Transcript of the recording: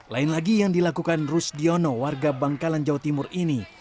lain lagi yang dilakukan rusdiono warga bangkalan jawa timur ini